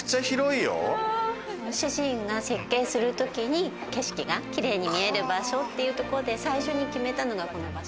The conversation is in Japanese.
主人が設計するときに、景色が綺麗に見える場所っていうことで、最初に決めたのがこの場所。